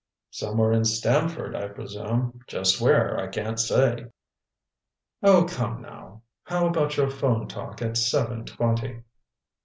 "Somewhere in Stamford, I presume. Just where, I can't say." "Oh, come now. How about your phone talk at seven twenty?"